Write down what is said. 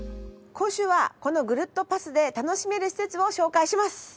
今週はこのぐるっとパスで楽しめる施設を紹介します。